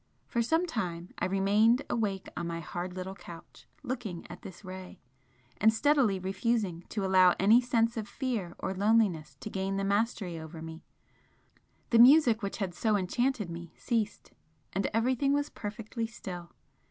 For some time I remained awake on my hard little couch, looking at this ray, and steadily refusing to allow any sense of fear or loneliness to gain the mastery over me the music which had so enchanted me ceased and everything was perfectly still.